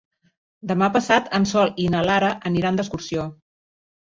Demà passat en Sol i na Lara aniran d'excursió.